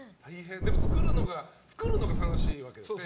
作るのが楽しいわけですよね。